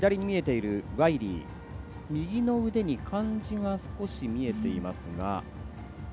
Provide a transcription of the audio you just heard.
ワイリー、右の腕に漢字が少し見ていますが。